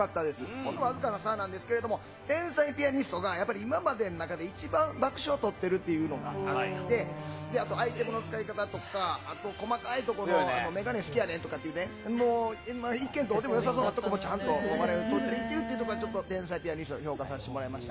ほんの僅かな差なんですけれども、天才ピアニストがやっぱり今までの中で、一番爆笑取ってるっていうのがあって、あとアイテムの使い方とか、あと、細かいとこの眼鏡好きやねんとかね、もう一見どうでもよさそうなところまで、ちゃんと笑いをとっていけるってところが、ちょっと天才ピアニストを評価させてもらいました。